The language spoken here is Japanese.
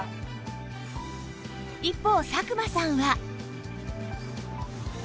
一方佐久間さんは